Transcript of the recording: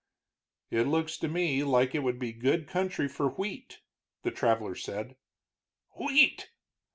"It looks to me like it would be a good country for wheat," the traveler said. "Wheat!"